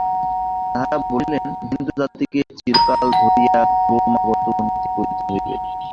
তাঁহারা বলিতেন, হিন্দুজাতিকে চিরকাল ধরিয়া ক্রমাগত উন্নতি করিতে হইবে।